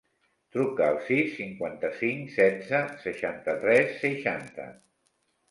Truca al sis, cinquanta-cinc, setze, seixanta-tres, seixanta.